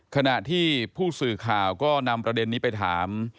ขณะที่ผู้สื่อข่าวก็นำประเด็นนี้ไปถาม